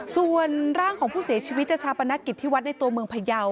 ส่วนร่างของผู้เสียชีวิตจะชาปนกิจที่วัดในตัวเมืองพยาว